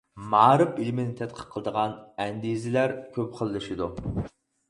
مائارىپ ئىلمى تەتقىق قىلىدىغان ئەندىزىلەر كۆپ خىللىشىدۇ.